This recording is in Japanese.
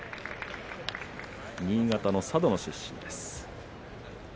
新潟の佐渡出身です。